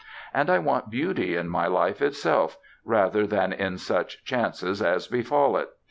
And I want beauty in my life itself, rather than in such chances as befall it.